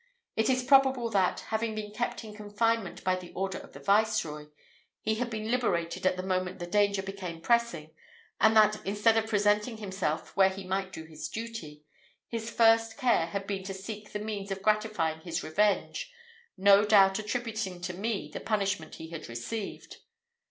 It is probable, that, having been kept in confinement by the order of the viceroy, he had been liberated at the moment the danger became pressing, and that, instead of presenting himself where he might do his duty, his first care had been to seek the means of gratifying his revenge, no doubt attributing to me the punishment he had received.